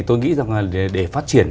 tôi nghĩ rằng để phát triển